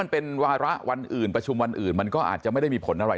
เป็นวาระวันอื่นประชุมวันอื่นมันก็อาจจะไม่ได้มีผลอะไร